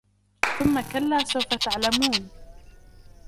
ثُمَّ كَلَّا سَوْفَ تَعْلَمُونَ